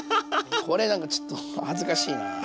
これ何かちょっと恥ずかしいな。